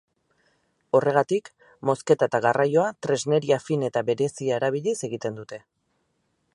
Horregatik, mozketa eta garraioa tresneria fin eta berezia erabiliz egiten dute.